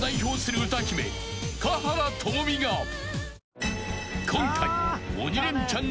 ［華原朋美が今回］